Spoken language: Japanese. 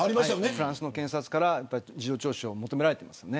フランスの検察から事情聴取を求められています。